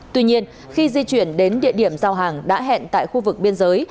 tuy nhiên khi di chuyển đến địa điểm giao hàng đã hẹn tại khu vực biên giới